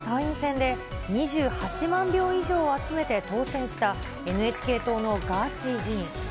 去年夏の参院選で２８万票以上集めて当選した、ＮＨＫ党のガーシー議員。